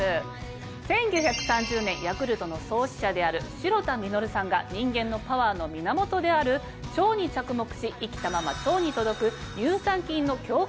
１９３０年ヤクルトの創始者である代田稔さんが人間のパワーの源である腸に着目し生きたまま腸にとどく。